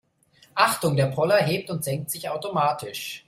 Achtung, der Poller hebt und senkt sich automatisch.